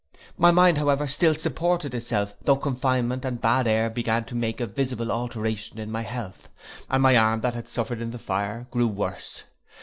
My mind, however, still supported itself though confinement and bad air began to make a visible alteration in my health, and my arm that had suffered in the fire, grew worse.